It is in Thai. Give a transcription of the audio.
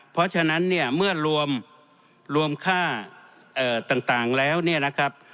เพราะฉะนั้นเนี่ยเมื่อรวมค่าต่างแล้วเนี่ยนะครับ